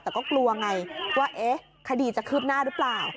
แต่ก็กลัวไงว่าคดีจะคืบหน้าหรือเปล่า